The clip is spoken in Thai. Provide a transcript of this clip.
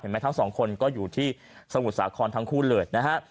เห็นไหมทั้ง๒คนก็อยู่ที่สมุทรสาครทั้งคู่เลือดนะฮะ